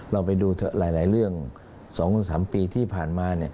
เราไปดูหลายเรื่อง๒๓ปีที่ผ่านมา